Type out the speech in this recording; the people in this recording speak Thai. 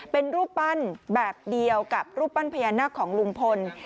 เป็นรูปปั้นแบบเดียวกับรูปปั้นพญานาคของลุงพล